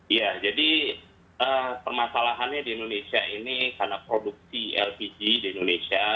iya jadi permasalahannya di indonesia ini karena produksi lpg di indonesia